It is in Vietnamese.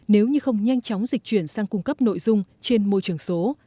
nếu như không nhanh chóng dịch chuyển sang cung cấp nội dung trên môi trường số